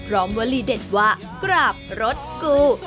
วลีเด็ดว่ากราบรถกู